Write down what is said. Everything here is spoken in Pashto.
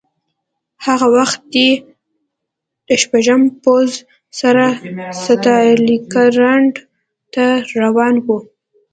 هغه وخت دی د شپږم پوځ سره ستالینګراډ ته روان و